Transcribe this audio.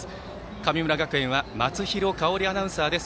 神村学園は松廣香織アナウンサーです。